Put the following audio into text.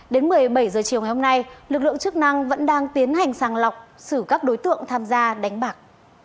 đến một mươi bảy h chiều ngày hôm nay lực lượng chức năng vẫn đang tiến hành sàng lọc xử các đối tượng tham gia đánh bạc